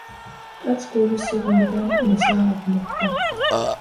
კაცს გულის სიღრმიდან კვნესა აღმოხდა